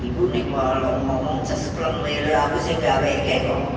ibu nih kalau ngomong sesplem aku sih nggak peke kok